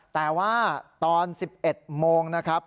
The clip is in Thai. แต่ว่าตอน๑๑โมงนะครับ